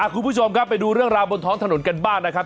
คุณผู้ชมครับไปดูเรื่องราวบนท้องถนนกันบ้างนะครับ